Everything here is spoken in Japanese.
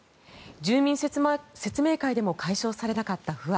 住民説明会でも解消されなかった不安